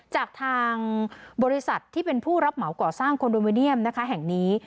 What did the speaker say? จากทางบริษัทที่เป็นผู้รับเหมาก่อสร้างคอนโดมิเนียมนะคะแห่งนี้